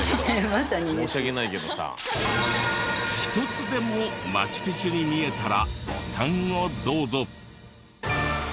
１つでもマチュピチュに見えたらボタンをどうぞ。